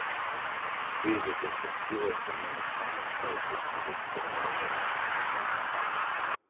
These are just a few of the many famous places to visit in London.